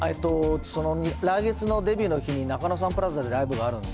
来月のデビューの日に、中野サンプラザでライブがあるんで。